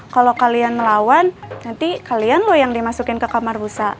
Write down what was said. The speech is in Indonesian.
kalau kalian melawan nanti kalian loh yang dimasukin ke kamar busa